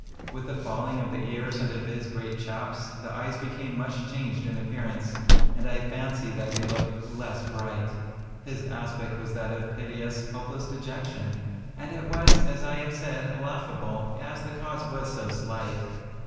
With the falling of the ears and of his great chaps, the eyes became much changed in appearance, and I fancied that they looked less bright. His aspect was that of piteous, hopeless dejection; and it was, as I have said, laughable, as the cause was so slight.